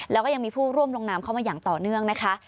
แล้วก็ยังมีผู้ร่วมลงนามเข้ามาอย่างต่อเนื่องนะคะ